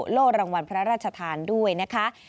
โล่รางวัลพระราชทานด้วยนะคะ